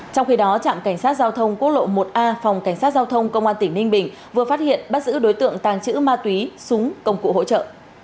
trong khi đó trạm cảnh sát giao thông quốc lộ một a phòng cảnh sát giao thông công an tỉnh ninh bình vừa phát hiện bắt giữ đối tượng tàng trữ ma túy súng công cụ hỗ trợ